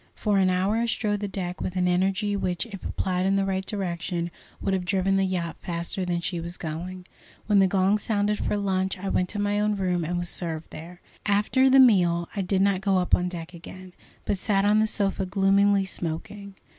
For an hour I strode the deck with an energy which, if applied in the right direction, would have driven the yacht faster than she was going. When the gong sounded for luncheon I went down to my own room and was served there. After the meal I did not go up on deck again, but sat on the sofa gloomily smoking.